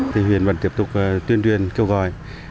thì huyện vẫn tiếp tục tuyên truyền kêu gọi